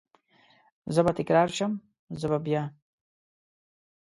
زه به تکرار شم، زه به بیا،